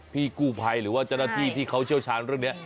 พี่กู้ภัยหรือว่าเจ้าหน้าที่ที่เขาเชี่ยวชาญเรื่องนี้